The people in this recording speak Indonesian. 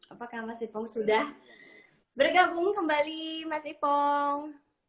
apakah mas ipong sudah bergabung kembali mas ipong